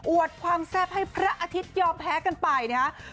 วดความแซ่บให้พระอาทิตยอมแพ้กันไปนะครับ